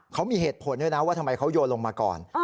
เขามีเหตุผลด้วยนะว่าทำไมเขาโยนลงมาก่อน